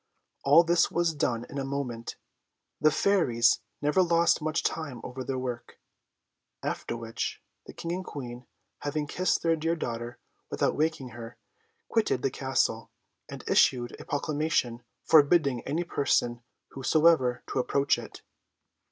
All this was done in a moment; the fairies never lost much time over their work. After which, the King and Queen, having kissed their dear daughter without waking her, quitted the Castle, and issued a proclamation forbidding any person, whosoever, to approach it.